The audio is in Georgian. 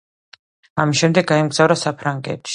ამის შემდეგ გაემგზავრა საფრანგეთში.